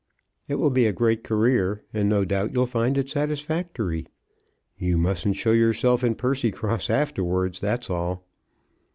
It will be a great career, and no doubt you'll find it satisfactory. You mustn't show yourself in Percycross afterwards; that's all."